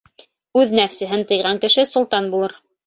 Үҙ нәфсеһен тыйған кеше солтан булыр.